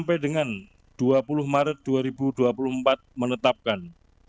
bresiden impuls yang adalah penyulutan masyarakat